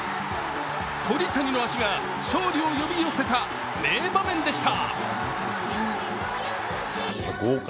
鳥谷の足が勝利を呼び寄せた名場面でした。